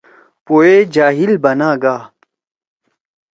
پو ئے جاہل بنا گا۔